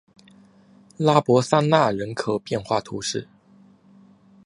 拉博桑讷人口变化图示